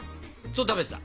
食べてた。